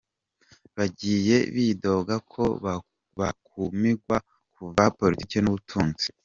Bagiye bidoga ko bakumigwa ku vya politike n'ubutunzi.